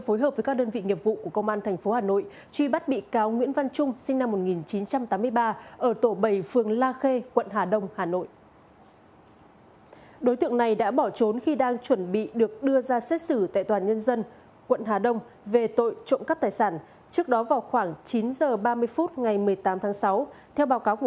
trước đó vào khoảng chín h ba mươi phút ngày một mươi tám tháng sáu theo báo cáo của công an quận hà đông với công an tp hà nội